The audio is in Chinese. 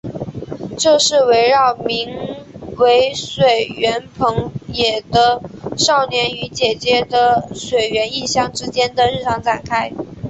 这是围绕名为水原朋也的少年与姐姐水原一香之间的日常展开。